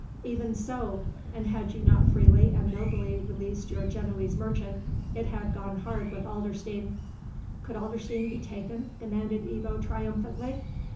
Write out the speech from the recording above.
"Even so; and, had you not freely and nobly released your Genoese merchant, it had gone hard with Adlerstein." "Could Adlerstein be taken?" demanded Ebbo triumphantly.